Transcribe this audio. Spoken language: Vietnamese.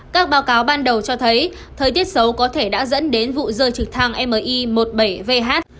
các báo cáo ban đầu cho thấy thời tiết xấu có thể đã dẫn đến vụ rơi trực thăng mi một mươi bảy vh